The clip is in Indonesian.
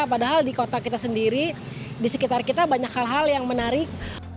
padahal di kota kita sendiri di sekitar kita banyak hal hal yang menarik